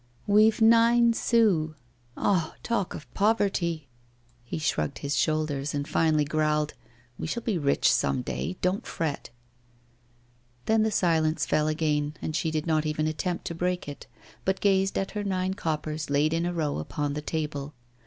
'We've nine sous. Ah! talk of poverty ' He shrugged his shoulders, and finally growled: 'We shall be rich some day; don't fret.' Then the silence fell again, and she did not even attempt to break it, but gazed at her nine coppers laid in a row upon the table.